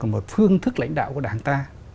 một phương thức lãnh đạo của đảng ta